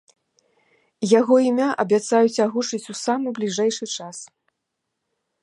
Яго імя абяцаюць агучыць у самы бліжэйшы час.